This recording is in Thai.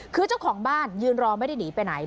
คือเจ้าของบ้านยืนรอไม่ได้หนีไปไหน